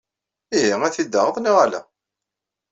Ihi, ad t-id-taɣeḍ neɣ ala?